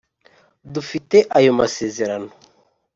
Dufite ayo masezerano